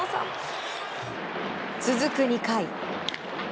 続く２回。